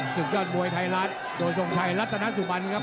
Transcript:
ศึกยอดมวยไทยรัฐโดยทรงชัยรัตนสุบันครับ